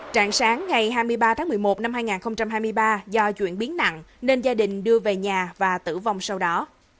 trạng sáng ngày hai mươi ba tháng một mươi một năm hai nghìn hai mươi ba do chuyển biến nặng nên gia đình đưa về nhà và tử vong sau đó